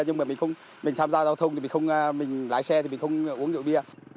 nhưng mà mình không mình tham gia giao thông thì mình không mình lái xe thì mình không uống rượu bia